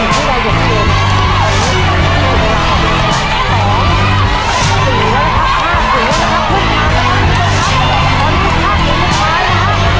กลิ่นเยี่ยมเม็ดที่ล่าง